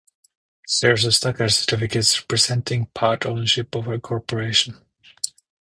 Shares of stock are certificates representing part ownership of a corporation.